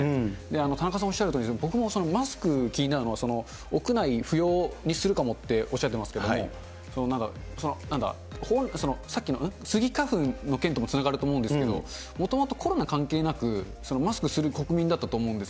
田中さんおっしゃるとおり、僕もマスク、気になるのは屋内不要にするかもっておっしゃられてますけれども、さっきのスギ花粉の件ともつながると思うんですけれども、もともとコロナ関係なく、マスクする国民だったと思うんです。